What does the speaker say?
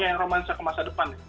ini yang romansa ke masa depan